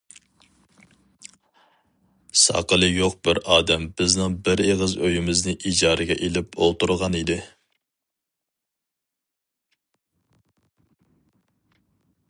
ساقىلى يوق بىر ئادەم بىزنىڭ بىر ئېغىز ئۆيىمىزنى ئىجارىگە ئېلىپ ئولتۇرغان ئىدى.